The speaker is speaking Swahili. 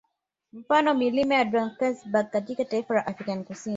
Mfano milima ya Drankesberg katika taifa la Afrika Kusini